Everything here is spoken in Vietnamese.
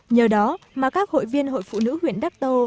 nhờ đó mà các hội viên hội phụ nữ huyện đắc tô